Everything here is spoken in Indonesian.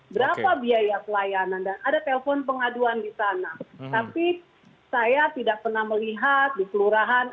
berapa biaya pelayanan dan ada telpon pengaduan di sana tapi saya tidak pernah melihat di kelurahan